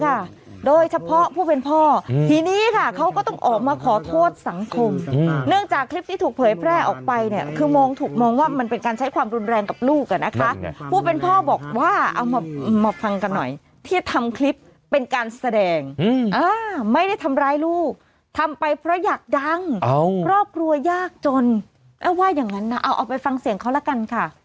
ค่ะโดยเฉพาะผู้เป็นพ่อทีนี้ค่ะเขาก็ต้องออกมาขอโทษสังคมเนื่องจากคลิปที่ถูกเผยแพร่ออกไปเนี่ยคือมองถูกมองว่ามันเป็นการใช้ความรุนแรงกับลูกอ่ะนะคะผู้เป็นพ่อบอกว่าเอามามาฟังกันหน่อยที่ทำคลิปเป็นการแสดงไม่ได้ทำร้ายลูกทำไปเพราะอยากดังครอบครัวยากจนแล้วว่าอย่างงั้นนะเอาเอาไปฟังเสียงเขาละกันค่ะ